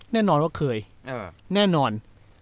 แน่นอนว่าเคยแน่นอน